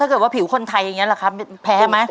เกิดว่าผิวคนไทยอย่างนี้แหละครับแพ้ไหม